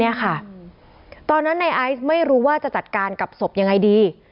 เนี่ยค่ะตอนนั้นในไอซ์ไม่รู้ว่าจะจัดการกับศพยังไงดี